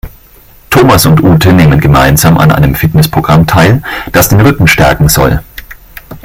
Thomas und Ute nehmen gemeinsam an einem Fitnessprogramm teil, das den Rücken stärken soll.